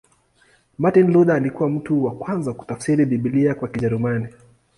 Martin Luther alikuwa mtu wa kwanza kutafsiri Biblia kwa Kijerumani.